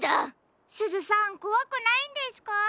すずさんこわくないんですか？